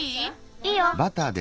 いいよ！